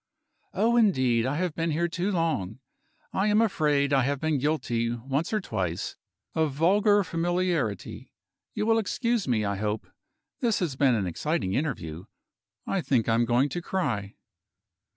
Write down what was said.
"Oh, indeed, I have been here too long! And I'm afraid I have been guilty, once or twice, of vulgar familiarity. You will excuse me, I hope. This has been an exciting interview I think I am going to cry."